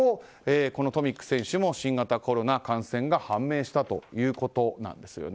トミック選手も新型コロナ感染が判明したということです。